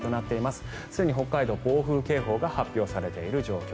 すでに北海道暴風警報が発表されているという状況。